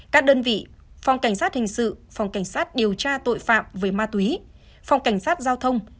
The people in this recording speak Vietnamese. các đơn vị phòng cảnh sát hình sự phòng cảnh sát điều tra tội phạm về ma túy phòng cảnh sát giao thông